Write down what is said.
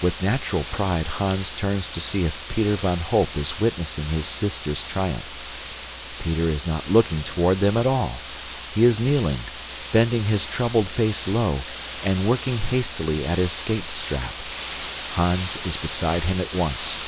With natural pride Hans turns to see if Peter van Holp is witnessing his sister's triumph. Peter is not looking toward them at all. He is kneeling, bending his troubled face low, and working hastily at his skate strap. Hans is beside him at once.